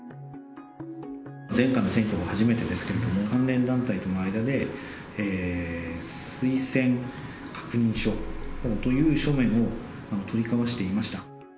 前回の選挙が初めてですけれども、関連団体との間で、推薦確認書という書面を取り交わしていました。